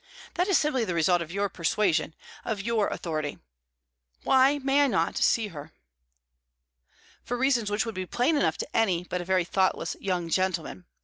"That is simply the result of your persuasion, of your authority. Why may I not see her?" "For reasons which would be plain enough to any but a very thoughtless young gentleman.